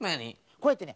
こうやってね